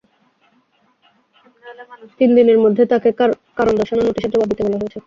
তিন দিনের মধ্যে তাঁকে কারণ দর্শানোর নোটিশের জবাব দিতে বলা হয়েছে।